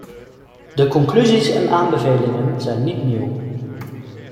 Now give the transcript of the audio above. De conclusies en aanbevelingen zijn niet nieuw.